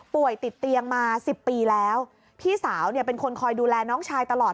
ติดเตียงมาสิบปีแล้วพี่สาวเนี่ยเป็นคนคอยดูแลน้องชายตลอด